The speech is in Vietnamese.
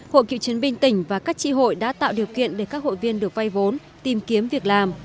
hội cựu chiến binh tỉnh và các tri hội đã tạo điều kiện để các hội viên được vay vốn tìm kiếm việc làm